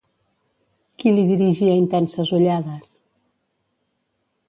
Qui li dirigia intenses ullades?